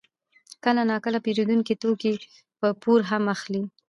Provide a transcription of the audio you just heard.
کله ناکله پېرودونکي توکي په پور هم اخلي